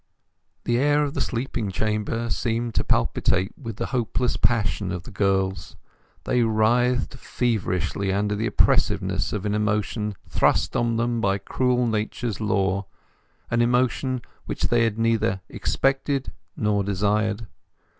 The air of the sleeping chamber seemed to palpitate with the hopeless passion of the girls. They writhed feverishly under the oppressiveness of an emotion thrust on them by cruel Nature's law—an emotion which they had neither expected nor desired.